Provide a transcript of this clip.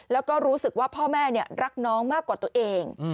แล้วก็รู้สึกว่าพ่อแม่รักน้องมากกว่าตัวเอง